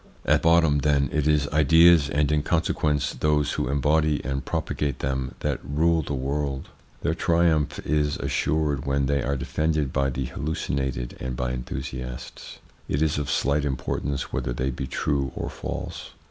At bottom, then, it is ideas, and in consequence those who embody and propagate them that rule the world. Their triumph is assured when they are defended by the hallucinated and by enthusiasts. It is of slight importance whether they be true or false.